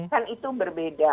kan itu berbeda